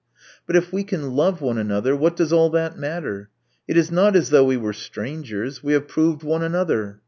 But if we can love one another, what does all that matter? It is not as though we were strangers: we have proved one another.